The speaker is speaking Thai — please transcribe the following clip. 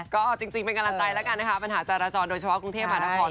ก็จริงเป็นกำลังใจแล้วกันนะคะปัญหาจราจรโดยเฉพาะกรุงเทพหานคร